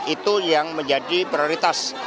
itu yang menjadi prioritas